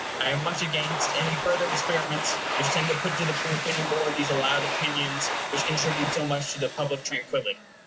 I am much against any further experiments which tend to put to the proof any more of these allowed opinions which contribute so much to the public tranquillity.